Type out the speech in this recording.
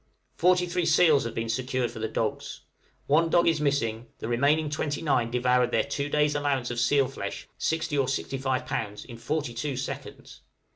Forty three seals have been secured for the dogs; one dog is missing, the remaining twenty nine devoured their two days' allowance of seal's flesh (60 or 65 lbs.) in forty two seconds!